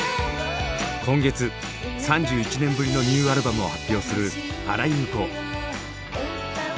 今月３１年ぶりのニューアルバムを発表する原由子。